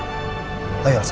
tapi enggak begini caranya